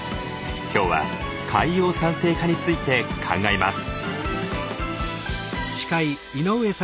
今日は海洋酸性化について考えます。